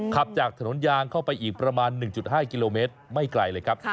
ขับจากถนนยางเข้าไปอีกประมาณ๑๕กิโลเมตรไม่ไกลเลยครับ